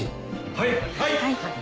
はい！